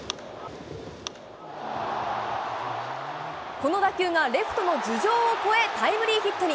この打球がレフトの頭上を越え、タイムリーヒットに。